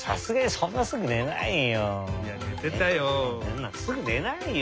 そんなすぐねないよ。